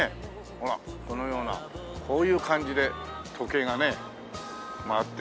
ほらこのようなこういう感じで時計がね回ってるという。